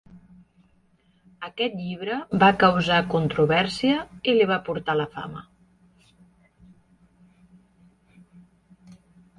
Aquest llibre va causar controvèrsia i li va portar la fama.